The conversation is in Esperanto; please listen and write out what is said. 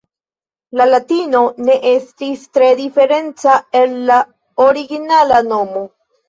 La Latino ne estis tre diferenca el la originala nomo.